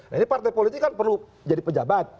nah ini partai politik kan perlu jadi pejabat